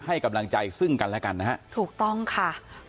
ให้กำลังใจซึ่งกันแล้วกันนะฮะถูกต้องค่ะ